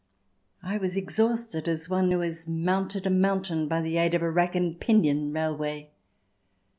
I was exhausted, as one who has mounted a mountain by the aid of a rack and pinion railway.